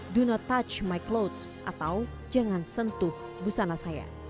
do not touch my clothes atau jangan sentuh busana saya